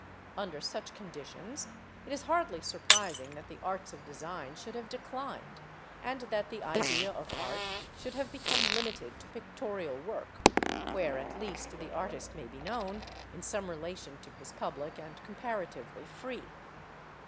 Under such conditions it is hardly surprising that the arts of design should have declined, and that the idea of art should have become limited to pictorial work (where, at least, the artist may be known, in some relation to his public, and comparatively free).